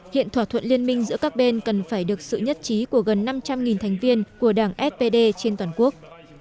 hiện thỏa thuận liên minh giữa các bên cần phải được sự nhất trí của gần năm trăm linh thành viên của đảng spd trên toàn quốc